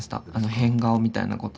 変顔みたいなこと。